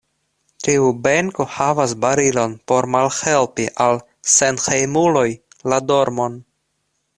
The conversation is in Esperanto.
Tiu benko havas barilon por malhelpi al senhejmuloj la dormon.